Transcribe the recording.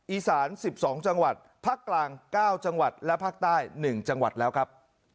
อีสาน๑๒จังหวัดภาคกลาง๙จังหวัดและภาคใต้๑จังหวัดแล้วครับ